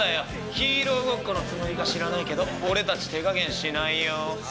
ヒーローごっこのつもりか知らないけど俺たち手加減しないよ」。